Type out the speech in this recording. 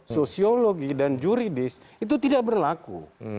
sosiologi dan juridis itu tidak berlaku